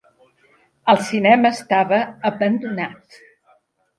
El cinema estava abandonat.